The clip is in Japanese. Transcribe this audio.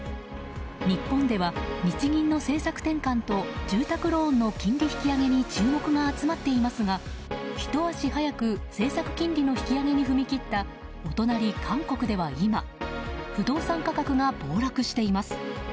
日本では日銀の政策転換と住宅ローンの金利引き上げに注目が集まっていますがひと足早く政策金利の引き上げに踏み切ったお隣、韓国では今不動産価格が暴落しています。